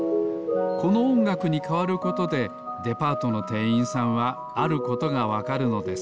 このおんがくにかわることでデパートのてんいんさんはあることがわかるのです。